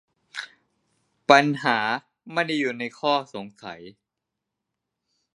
ปัญหาไม่ได้อยู่ในข้อสงสัย